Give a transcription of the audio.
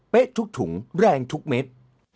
ทุกถุงแรงทุกเม็ด